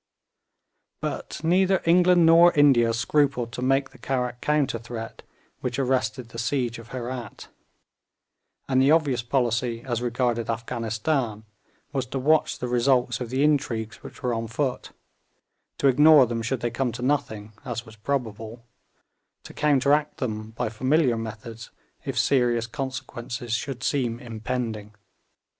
But neither England nor India scrupled to make the Karrack counter threat which arrested the siege of Herat; and the obvious policy as regarded Afghanistan was to watch the results of the intrigues which were on foot, to ignore them should they come to nothing, as was probable, to counteract them by familiar methods if serious consequences should seem impending.